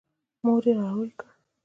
• مور یې را لوی کړ.